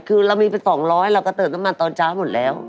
คือเรามีไป๒๐๐เราก็เติมน้ำมันตอนเช้าหมดแล้ว